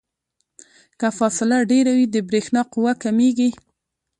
که فاصله ډیره وي د برېښنا قوه کمیږي.